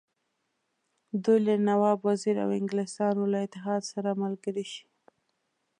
دوی له نواب وزیر او انګلیسیانو له اتحاد سره ملګري شي.